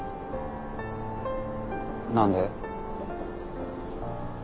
何で？